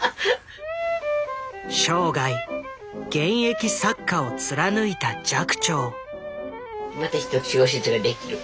生涯現役作家を貫いた寂聴。